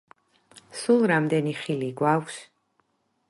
სულ რამდენი ხილი გვაქვს?